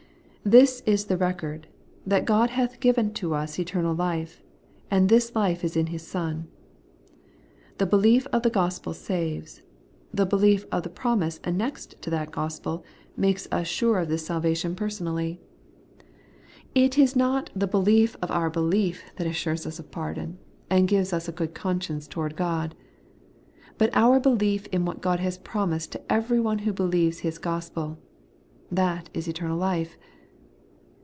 'This is the record, that God hath given to us eternal life, and this life is in His Son.' The belief of the gospel saves ; the belief of the promise annexed to that gospel makes us sure of this salvation personally. The Pardon and the Peace made sure, 163 It is not the helief of our belief that assures us of pardon, and gives us a good conscience towards God ; hut our belief of what God has promised to every one who believes His gospel, — that is eternal life.